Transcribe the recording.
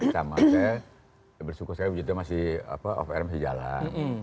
kalau saya bersyukur saya masih off air masih jalan